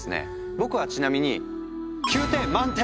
僕はちなみに９点！